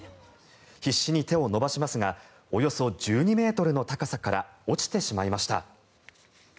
必死に手を伸ばしますがおよそ１２ｍの高さから落ちてしまいました。